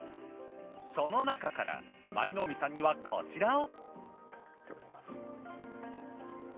そのなかから舞の海さんにはこちらを。